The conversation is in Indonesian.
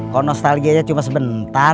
kalo nostalgianya cuma sebentar